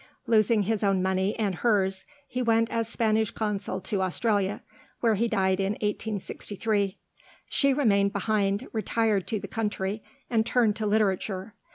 Losing his own money and hers, he went as Spanish consul to Australia, where he died in 1863. She remained behind, retired to the country, and turned to literature.